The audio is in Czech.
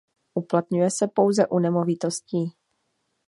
Uplatňuje se pouze u nemovitostí.